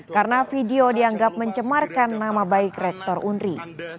karena video dianggap mencemarkan nama baik rektor undri